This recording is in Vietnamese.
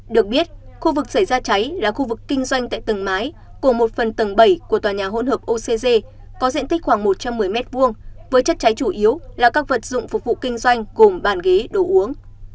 được biết khu vực xảy ra cháy là khu vực kinh doanh tại tầng mái của một phần tầng bảy của tòa nhà hỗn hợp occ có diện tích khoảng một trăm một mươi m hai với chất cháy chủ yếu là các vật dụng phục vụ kinh doanh gồm bàn ghế đồ uống